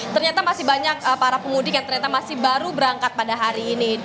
ternyata masih banyak para pemudik yang ternyata masih baru berangkat pada hari ini